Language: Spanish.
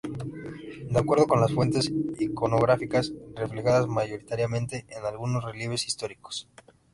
De acuerdo con las fuentes iconográficas, reflejadas mayoritariamente en algunos relieves históricos -p.ej.